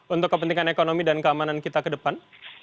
untuk kepentingan ekonomi dan keamanan kita ke depan